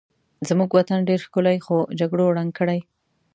زمونږ وطن ډېر ښکلی خو جګړو ړنګ کړی